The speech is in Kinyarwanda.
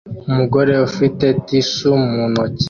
Umugore ufite tissue mu ntoki